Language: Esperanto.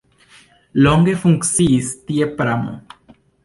Longe funkciis tie pramo.